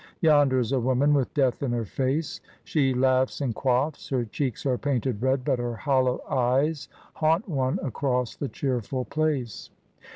Yonder is a woman with death in her face, she laughs and quaffs, her cheeks are painted red, but her hollow eyes haunt one across the cheerful place.